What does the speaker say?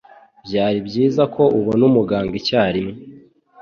Byari byiza ko ubona umuganga icyarimwe.